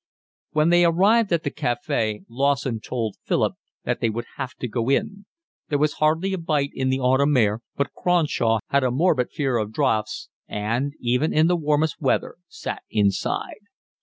When they arrived at the cafe Lawson told Philip that they would have to go in. There was hardly a bite in the autumn air, but Cronshaw had a morbid fear of draughts and even in the warmest weather sat inside.